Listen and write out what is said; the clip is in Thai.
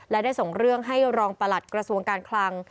และได้ส่งเรื่องให้รองประหลัดกระทรวงการคลัง